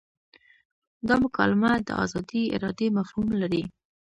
دا مکالمه د ازادې ارادې مفهوم لري.